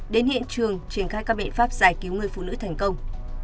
đến hiện trường triển khai các biện pháp giải cứu người phụ nữ thành công